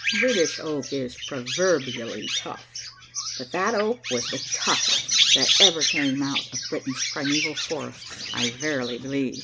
British oak is proverbially tough, but that oak was the toughest that ever came out of Britain's primeval forests, I verily believe.